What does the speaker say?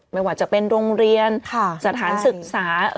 ไม่ว่าจะเป็นโรงเรียนสถานศึกษา